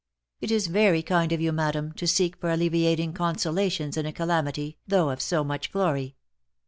"It is very kind of you, madam, to seek for alleviating consolations in a calamity (though of so much glory).